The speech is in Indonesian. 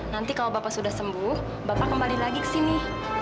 nanti kalau bapak sudah sembuh bapak kembali lagi ke sini